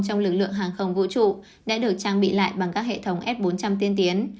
trong lực lượng hàng không vũ trụ đã được trang bị lại bằng các hệ thống s bốn trăm linh tiên tiến